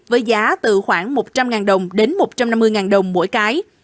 với giá từ khoảng một trăm linh đồng đến một trăm năm mươi đồng mỗi cái